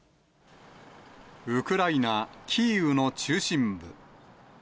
ウクライナ・キーウの中心部。